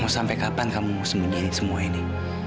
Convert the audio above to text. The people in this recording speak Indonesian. mau sampai kapan kamu mau sembunyikan semua ini